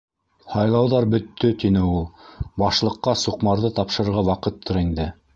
- Һайлауҙар бөттө, - тине ул. - Башлыҡҡа суҡмарҙы тапшырырға ваҡыттыр инде.